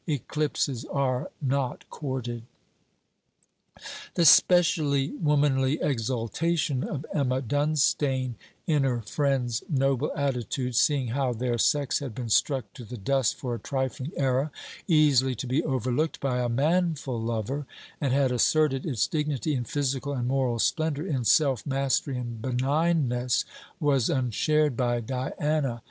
Eclipses are not courted. The specially womanly exultation of Emma Dunstane in her friend's noble attitude, seeing how their sex had been struck to the dust for a trifling error, easily to be overlooked by a manful lover, and had asserted its dignity in physical and moral splendour, in self mastery and benignness, was unshared by Diana.